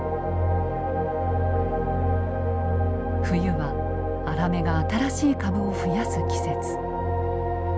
冬はアラメが新しい株を増やす季節。